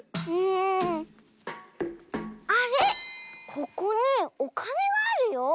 ここにおかねがあるよ。